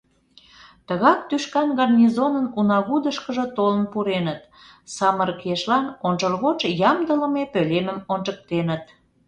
Тыгак тӱшкан гарнизонын унагудышкыжо толын пуреныт, самырык ешлан ончылгоч ямдылыме пӧлемым ончыктеныт.